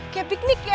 kayak piknik ya